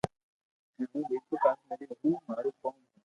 ھون ميرپوخاص ۾ رھيو ھون مارو ڪوم ھي